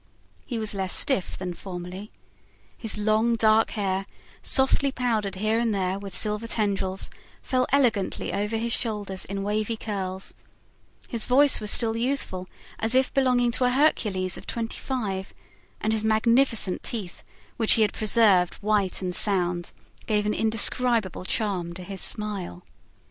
He was less stiff than formerly. His long, dark hair, softly powdered here and there with silver tendrils, fell elegantly over his shoulders in wavy curls; his voice was still youthful, as if belonging to a Hercules of twenty five, and his magnificent teeth, which he had preserved white and sound, gave an indescribable charm to his smile.